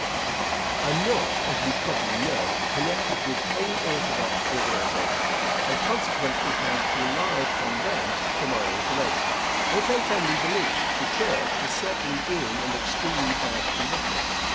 I am not, as you probably know, connected with any orthodox organization, and consequently have to rely upon them for my information. If they can be believed, the church is certainly in an extremely bad condition.